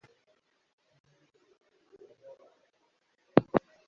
ko bakeneye gusanga Yesu bakamwiyegurira